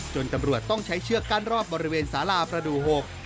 ตำรวจต้องใช้เชือกกั้นรอบบริเวณสาราประดูก๖